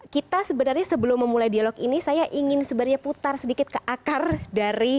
kita sebenarnya sebelum memulai dialog ini saya ingin sebenarnya putar sedikit ke akar dari